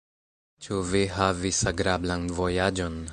Ĉu vi havis agrablan vojaĝon?